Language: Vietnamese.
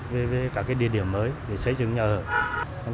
với cả cái địa điểm mới để xây dựng nhà hợp